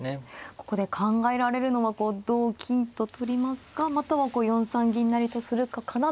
ここで考えられるのは同金と取りますかまたは４三銀成とするかかなと思ったんですが